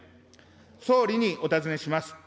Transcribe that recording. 総理にお尋ねします。